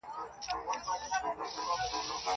نو گراني تاته وايم.